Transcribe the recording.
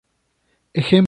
Ejemplo: la sonrisa.